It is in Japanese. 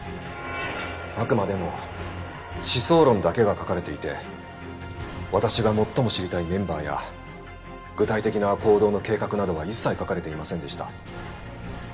あくまでも思想論だけが書かれていて私が最も知りたいメンバーや具体的な行動の計画などは一切書かれていませんでした。